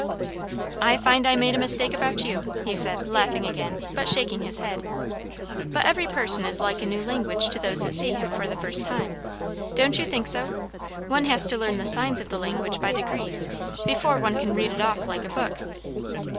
"I find I made a mistake about you!" he said, laughing again, but shaking his head. "But every person is like a new language to those that see him for the first time; don't you think so? One has to learn the signs of the language by degrees, before one can read it off like a book."